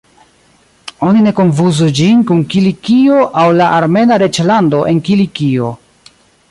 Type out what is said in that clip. Oni ne konfuzu ĝin kun Kilikio aŭ la Armena reĝlando en Kilikio.